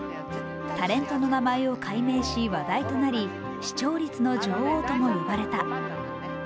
タレントの名前を改名し、話題となり視聴率女王とも言われた。